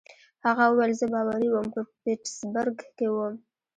هغه وویل: زه باوري وم، په پیټسبرګ کې ووم.